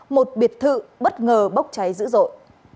một biệt thự bất ngờ bốc cháy dữ dội